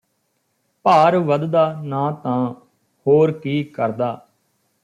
ਭਾਰ ਵਧਦਾ ਨਾ ਤਾਂ ਹੋਰ ਕੀ ਕਰਦਾ